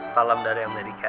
salam dari amerika